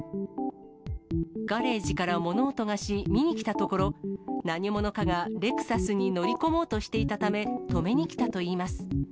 ガレージから物音がし、見に来たところ、何者かがレクサスに乗り込もうとしていたため、止めにきたといいます。